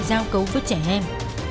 giao cấu với trẻ em